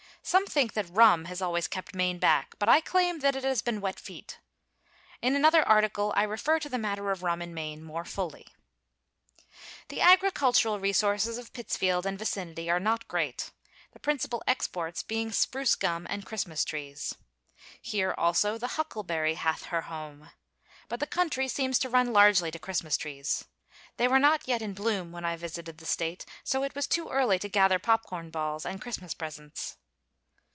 Some think that rum has always kept Maine back, but I claim that it has been wet feet. In another article I refer to the matter of rum in Maine more fully. The agricultural resources of Pittsfield and vicinity are not great, the principal exports being spruce gum and Christmas trees. Here also the huckleberry hath her home. But the country seems to run largely to Christmas trees. They were not yet in bloom when I visited the State, so it was too early to gather popcorn balls and Christmas presents.